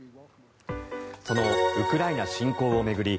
そのウクライナ侵攻を巡り